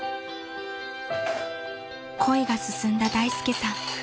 ［恋が進んだ大介さん］